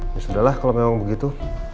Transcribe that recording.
ya sudah lah kalau memang begitu